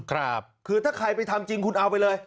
คือถ้าใครไปทำจริงคุณเอาไปเลย